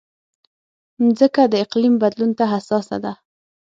مځکه د اقلیم بدلون ته حساسه ده.